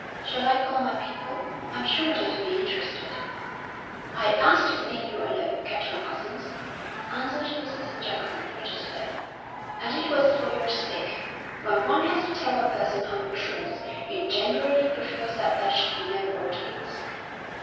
"Shall I call my people? I'm sure they'd be interested." "I asked to see you alone, Captain Parsons," answered Mrs. Jackson, frigidly. "And it was for your sake. When one has to tell a person home truths, he generally prefers that there should be no audience."